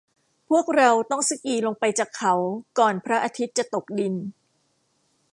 พวกเราต้องสกีลงไปจากเขาก่อนพระอาทิตย์จะตกดิน